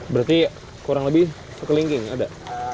berarti kurang lebih sekelingking ada